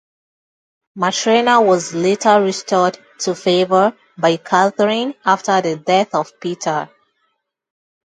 Matrena was later restored to favour by Catherine after the death of Peter.